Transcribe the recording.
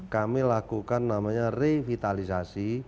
kami lakukan namanya revitalisasi